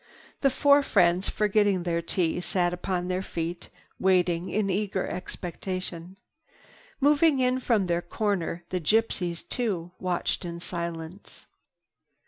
The four friends, forgetting their tea, sat upon their feet, waiting in eager expectation. Moving in from their corner, the gypsies too watched in silence.